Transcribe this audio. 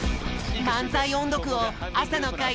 まんざいおんどくをあさのかい